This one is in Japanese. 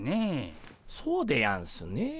そうでやんすねえ。